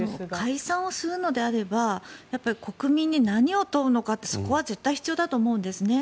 解散をするのであれば国民に何を問うのかそこは絶対必要だと思うんですね。